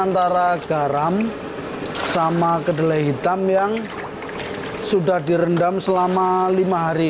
antara garam sama kedelai hitam yang sudah direndam selama lima hari